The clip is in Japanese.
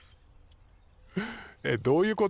えっどういうこと？